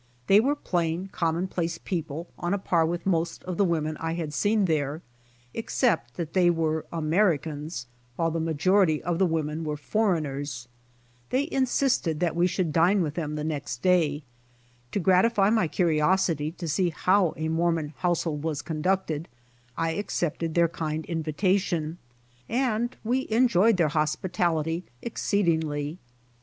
They were plain, common place peo ple on a par with most of the women I had seen there, except that they were Americans, while tlie majority of the women were foreigners. They insisted that we 104 BY OX TEAM TO CALIFORNIA should dine with them the next day. To gratify my curiosity to see how a Mormon household was con ducted, I accepted their kind invitation, and we enjoyed their hospitality exceedingly.